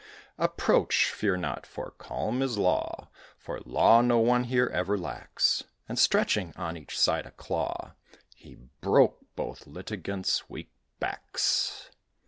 "Approach, fear not, for calm is law; For law no one here ever lacks;" And, stretching on each side a claw, He broke both litigants' weak backs.